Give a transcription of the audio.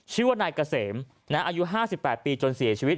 ชื่อว่านายเกษมอายุ๕๘ปีจนเสียชีวิต